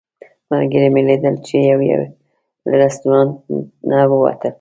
ملګري مې لیدل چې یو یو له رسټورانټ نه ووتل.